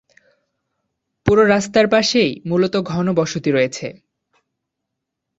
পুরো রাস্তার পাশেই মূলত ঘন বসতি রয়েছে।